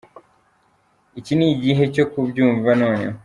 Iki ni gihe cyo kubyumva noneho.